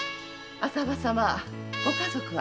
浅葉様ご家族は？